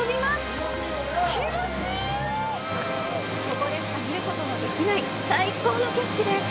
ここでしか見ることのできない最高の景色です